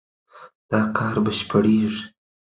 دا کار بشپړېږي.